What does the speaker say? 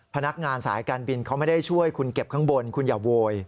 พนักงานสายการบินเขาไม่ได้ช่วยคุณเก็บข้างบนคุณอย่าโวย